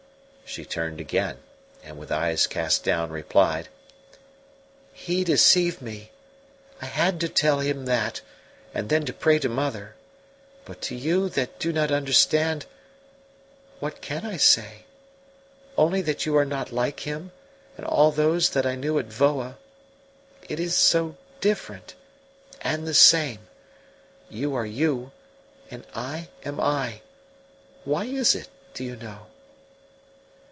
She turned again, and with eyes cast down replied: "He deceived me I had to tell him that, and then to pray to mother. But to you that do not understand, what can I say? Only that you are not like him and all those that I knew at Voa. It is so different and the same. You are you, and I am I; why is it do you know?"